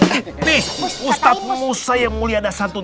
nih ustadz musa yang mulia dasantun